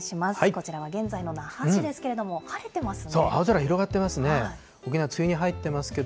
こちらは現在の那覇市ですけれど青空広がってますね。